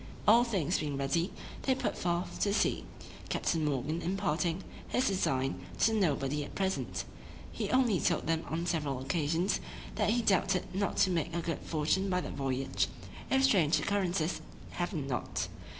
All things being ready, they put forth to sea, Captain Morgan imparting his design to nobody at present; he only told them on several occasions, that he doubted not to make a good fortune by that voyage, if strange occurrences happened not.